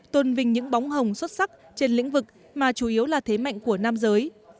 trên lĩnh vực mà chủ yếu là thế mạnh của nam giới